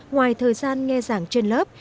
ngoài thời gian nghe giảng trên lớp